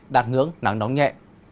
đạt ngưỡng nắng nóng nhẹ